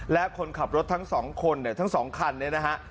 และคนขับรถทั้ง๒คนทั้ง๒คันนะฮะ